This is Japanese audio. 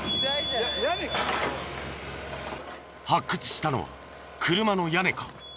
発掘したのは車の屋根か？